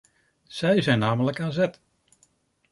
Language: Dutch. Zij zijn namelijk aan zet.